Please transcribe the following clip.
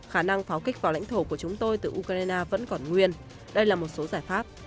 khả năng pháo kích vào lãnh thổ của chúng tôi từ ukraine vẫn còn nguyên đây là một số giải pháp